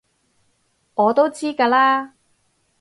我都知㗎喇